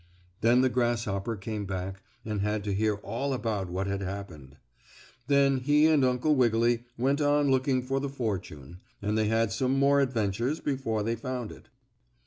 Then the grasshopper came back, and had to hear all about what had happened. Then he and Uncle Wiggily went on looking for the fortune, and they had some more adventures before they found it.